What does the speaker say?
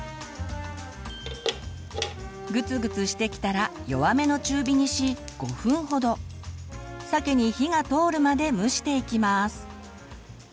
グツグツしてきたら弱めの中火にし５分ほどさけに火が通るまで蒸していきます。